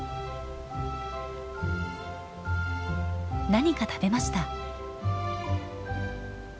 何か食べました。